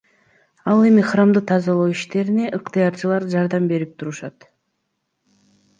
Ал эми храмды тазалоо иштерине ыктыярчылар жардам берип турушат.